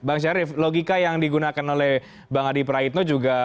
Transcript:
bang syarif logika yang digunakan oleh bang adi prahitno